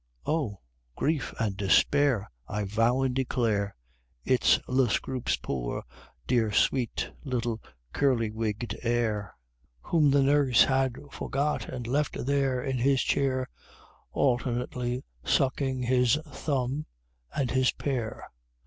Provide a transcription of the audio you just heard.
Oh! grief and despair! I vow and declare It's Le Scroope's poor, dear, sweet, little, curly wigged Heir! Whom the nurse had forgot and left there in his chair, Alternately sucking his thumb and his pear.